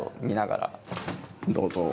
どうぞ。